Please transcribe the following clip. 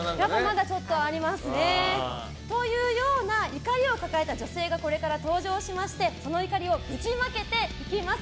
まだちょっとありますね。というような怒りを抱えた女性がこれから登場しましてその怒りをぶちまけていきます。